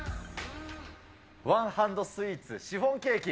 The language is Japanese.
ワンハンドスイーツ、シフォンケーキ。